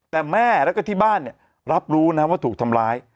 แต่แม่แล้วก็ที่บ้านเนี่ยรับรู้นะว่าถูกทำร้าย